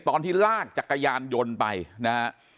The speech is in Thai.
ตอนที่ลากจักรยานยนต์ไปนะฮะ